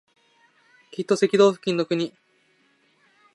きっと赤道付近の国